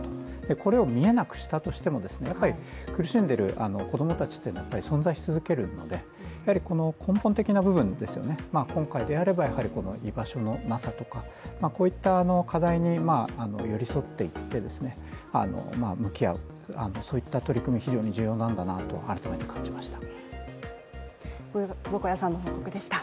これを見えなくしたとしても苦しんでいる子供たちというのはやっぱり存在し続けるのでやはり根本的な部分ですよね、今回であれば居場所のなさとかこういった課題に寄り添っていって向き合う、そういった取り組み非常に重要なんだなと改めて感じました。